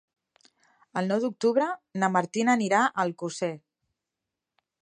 El nou d'octubre na Martina anirà a Alcosser.